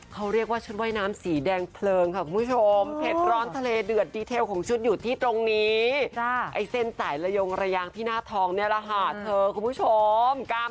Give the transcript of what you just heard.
เขาเรียกว่าชุดว่ายน้ำสีแดงเพลิงครับคุณผู้ชม